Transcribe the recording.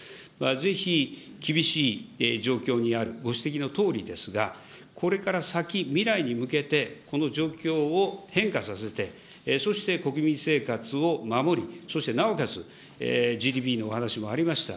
ぜひ厳しい状況にある、ご指摘のとおりですが、これから先、未来に向けて、この状況を変化させて、そして国民生活を守り、そしてなおかつＧＤＰのお話もありました。